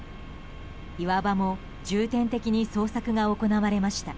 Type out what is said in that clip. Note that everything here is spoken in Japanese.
岩場も重点的に捜索が行われました。